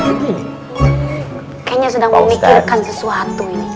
kayaknya sedang memikirkan sesuatu ini